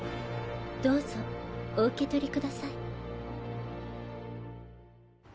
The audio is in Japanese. どうぞお受け取りください。